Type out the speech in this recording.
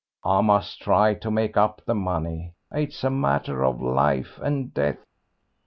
I must try to make up the money: it's a matter of life and death."